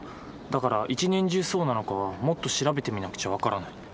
だから一年中そうなのかはもっと調べてみなくちゃ分からない。